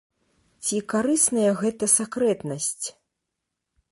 Ці карысная гэтая сакрэтнасць?